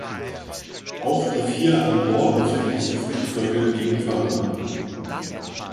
Auch die vier an Bord befindlichen Flugzeuge gingen verloren.